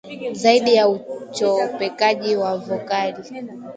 Zaidi ya uchopekaji wa vokali